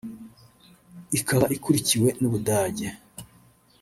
ikaba ikurikiwe n’Ubudage